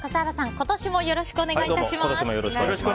今年もよろしくお願いします。